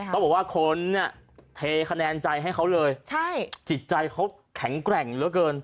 ต้องบอกว่าคนเทคะแนนใจให้เขาเลยจิตใจเขาแข็งแกร่งเรื่อยกว่าเกิน